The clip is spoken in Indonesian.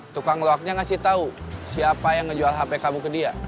tukang loaknya ngasih tahu siapa yang menjual hp kamu ke dia